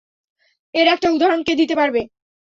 এর একটা উদাহরণ কে দিতে পারবে?